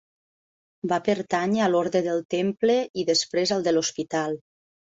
Va pertànyer a l'orde del Temple i després al de l'Hospital.